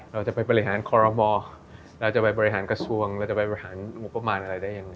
เราจะไปบริหารคอรมอเราจะไปบริหารกระทรวงเราจะไปบริหารงบประมาณอะไรได้ยังไง